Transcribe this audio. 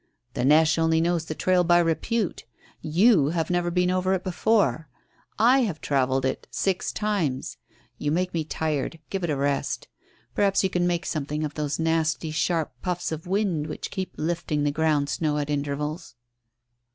"The neche only knows the trail by repute. You have never been over it before. I have travelled it six times. You make me tired. Give it a rest. Perhaps you can make something of those nasty, sharp puffs of wind which keep lifting the ground snow at intervals."